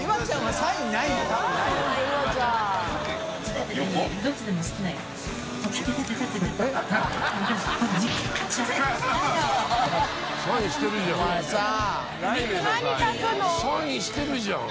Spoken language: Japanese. サインしてるじゃん。